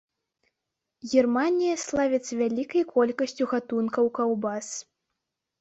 Германія славіцца вялікай колькасцю гатункаў каўбас.